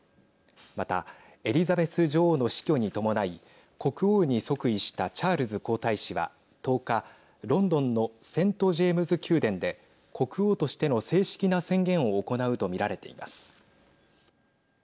また、エリザベス女王の死去に伴い国王に即位したチャールズ皇太子は１０日、ロンドンのセント・ジェームズ宮殿で国王としての正式な宣言を行うと見られています。